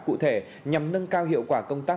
cụ thể nhằm nâng cao hiệu quả công tác